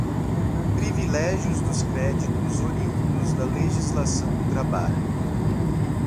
privilégios dos créditos oriundos da legislação do trabalho